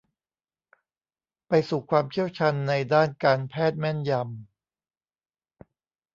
ไปสู่ความเชี่ยวชาญในด้านการแพทย์แม่นยำ